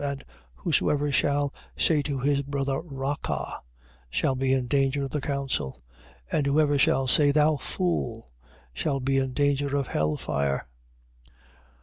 And whosoever shall say to his brother, Raca, shall be in danger of the council. And whosoever shall say, Thou fool, shall be in danger of hell fire.